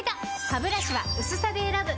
ハブラシは薄さで選ぶ！